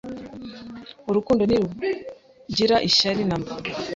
urukundo ntirugira ishyari namba